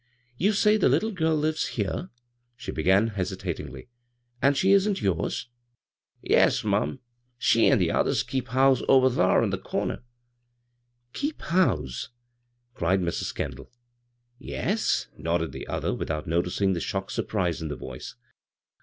" You say the little girl lives here," she be gan hesitatingly, " and she isn't yours ?" "Yes, mum. She an' the others keep house over thar in the comer." " Keep house !" cried Mrs. Kendall. " Yes," nodded the other, without notidng the shocked surprise in the voice.